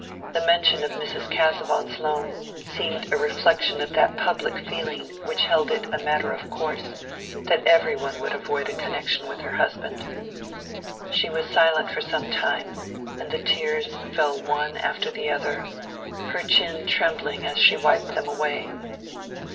The mention of Mrs. Casaubon's loan seemed a reflection of that public feeling which held it a matter of course that every one would avoid a connection with her husband. She was silent for some time; and the tears fell one after the other, her chin trembling as she wiped them away.